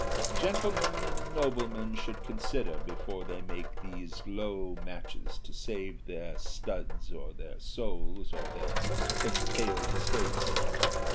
"Gentlemen and noblemen should consider before they make these low matches to save their studs, or their souls, or their entailed estates.